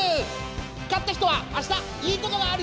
勝った人は明日いいことがあるよ！